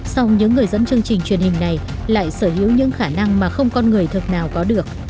song những người dẫn chương trình truyền hình này lại sở hữu những khả năng mà không con người thực nào có được